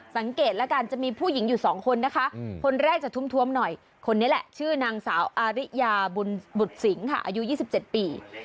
สังเกตแล้วกันจะมีผู้หญิงอยู่๒คนนะคะคนแรกจะทุ่มหน่อยคนนี้แหละชื่อนางสาวอาริยาบุญบุตรสิงค่ะอายุ๒๗ปี